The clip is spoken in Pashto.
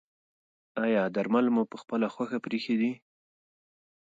ایا درمل مو پخپله خوښه پریښي دي؟